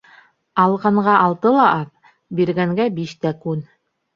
Алғанға алты ла аҙ, биргәнгә биш тә күн.